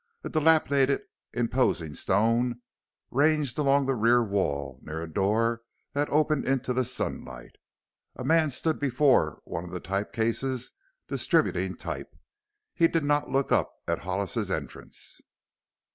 A dilapidated imposing stone ranged along the rear wall near a door that opened into the sunlight. A man stood before one of the type cases distributing type. He did not look up at Hollis's entrance.